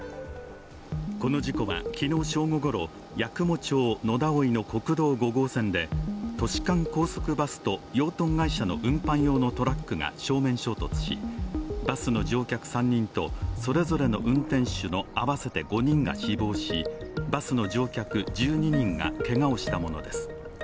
この事故は昨日正午ごろ、八雲町野田生の国道５号線で都市間高速バスと養豚会社の運搬用のトラックが正面衝突しバスの乗客３人とそれぞれの運転手の合わせて５人が死亡し、バスの乗客１２人がけがをしたものです。